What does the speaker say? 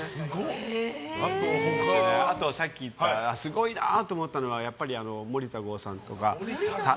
あとさっき言ったすごいなと思ったのは森田剛さんとか。